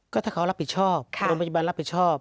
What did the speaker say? ก็ถ้าเขารับผิดชอบโรงพยาบาลรับผิดชอบ